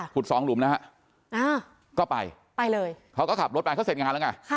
สองหลุมนะฮะก็ไปไปเลยเขาก็ขับรถไปเขาเสร็จงานแล้วไง